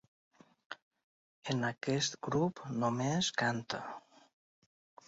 En aquest grup només canta.